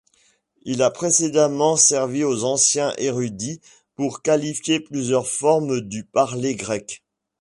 Il a précédemment servi aux anciens érudits pour qualifier plusieurs formes du parler grec.